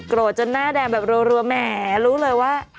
จนหน้าแดงแบบรัวแหมรู้เลยว่า